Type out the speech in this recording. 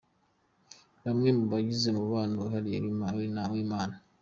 Bamwe mu bagize umubano wihariye n’Imana.